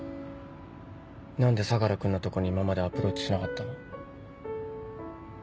何で相楽君のとこに今までアプローチしなかったの？